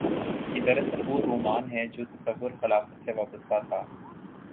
یہ دراصل وہ رومان ہے جو تصور خلافت سے وابستہ تھا۔